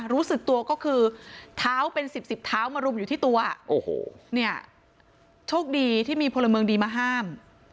รู้สึกตัวก็คือเท้าเป็นสิบสิบเท้ามารุมอยู่ที่ตัวโอ้โหเนี่ยโชคดีที่มีพลเมืองดีมาห้าม